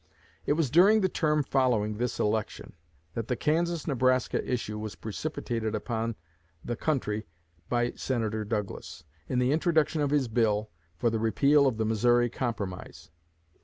It was during the term following this election that the Kansas Nebraska issue was precipitated upon the country by Senator Douglas, in the introduction of his bill for the repeal of the Missouri Compromise.